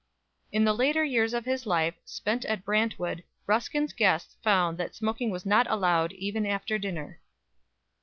'"_ In the later years of his life, spent at Brantwood, Ruskin's guests found that smoking was not allowed even after dinner.